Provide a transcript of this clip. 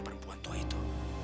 perempuan tua itu